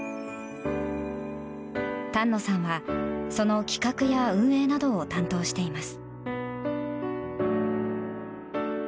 丹野さんは、その企画や運営などを担当しています。